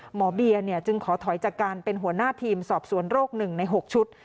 หมอเบียร์จึงขอถอยจากการเป็นหัวหน้าทีมสอบสวนโรค๑ใน๖ชุด